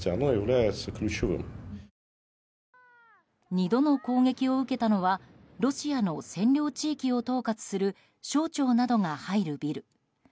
２度の攻撃を受けたのはロシアの占領地域を統括する省庁などが入るビル。